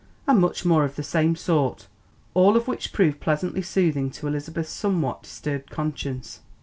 And much more of the same sort, all of which proved pleasantly soothing to Elizabeth's somewhat disturbed conscience.